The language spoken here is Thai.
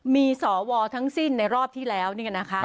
มีสวทั้งสิ้นในรอบที่แล้วนี่นะคะ